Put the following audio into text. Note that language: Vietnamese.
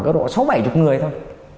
cơ độ sáu bảy chục người thôi